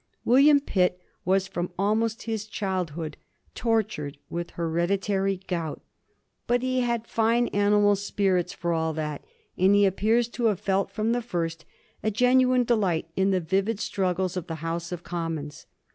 William Pitt was from almost his childhood tortured with hereditary gout, but he had fine animal spirits for all that, and he appears to have felt from the first a genuine delight in the vivid struggles of the House of Commons.